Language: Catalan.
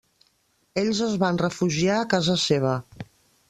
Ells es van refugiar a casa seva.